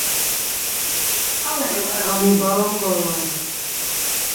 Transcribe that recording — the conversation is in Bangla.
আমি বারণ করলাম।